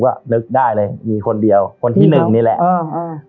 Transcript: ก็นึกได้เลยมีคนเดียวคนที่หนึ่งนี่แหละอ่าอ่า